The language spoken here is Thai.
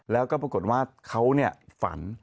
แล้วก็ปรากฏว่าเขาฝัน